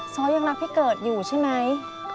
ซ้อยังรักพี่เกิดอยู่ใช่ไหม